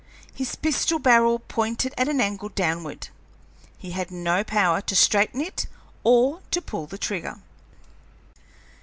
His pistol barrel pointed at an angle downward; he had no power to straighten it or to pull the trigger.